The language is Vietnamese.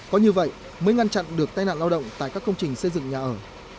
có như vậy mới ngăn chặn được tai nạn lao động tại các công trình xây dựng nhà ở